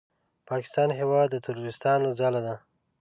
پاکستان هېواد د تروریستانو ځاله ده!